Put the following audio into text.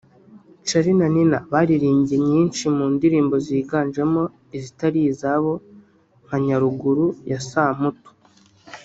Charly&Nina baririmbye nyinshi mu ndirimbo ziganjemo izitari izabo nka Nyaruguru ya Samputu